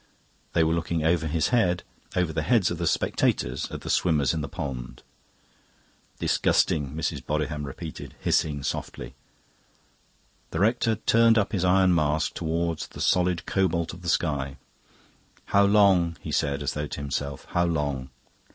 They were looking over his head, over the heads of the spectators, at the swimmers in the pond. "Disgusting!" Mrs. Bodiham repeated, hissing softly. The rector turned up his iron mask towards the solid cobalt of the sky. "How long?" he said, as though to himself; "how long?"